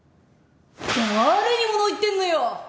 誰に物言ってんのよ！